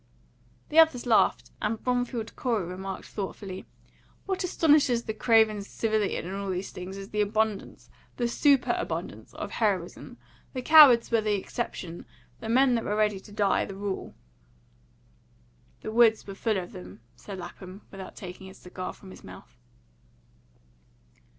The others laughed, and Bromfield Corey remarked thoughtfully, "What astonishes the craven civilian in all these things is the abundance the superabundance of heroism. The cowards were the exception; the men that were ready to die, the rule." "The woods were full of them," said Lapham, without taking his cigar from his mouth.